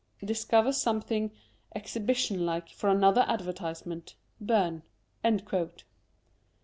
"Dis cover something Exhibition like for another advertise ment. Byrne."